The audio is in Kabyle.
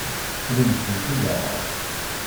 Ad am-tent-id-aɣeɣ.